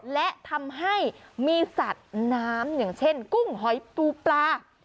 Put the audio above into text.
และทำให้มีสัตว์น้ำอย่างเช่นกุ้งหอยปูปลา